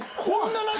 こんな。